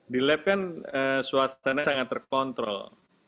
di lab kan suasana sangat terkontrol